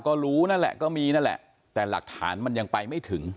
ก็รู้นั่นแหละก็มีนั่นแหละแต่หลักฐานมันยังไปไม่ถึง